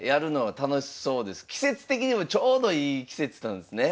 季節的にもちょうどいい季節なんですね。